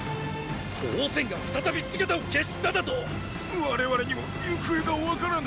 王翦が再び姿を消しただと⁉我々にも行方がわからぬ。